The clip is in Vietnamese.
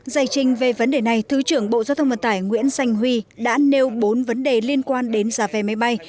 giải trình về vấn đề này thứ trưởng bộ giao thông vận tải nguyễn xanh huy đã nêu bốn vấn đề liên quan đến giá vé máy bay